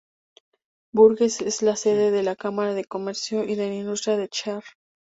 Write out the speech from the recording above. Bourges es la sede de la Cámara de comercio y de industria del Cher.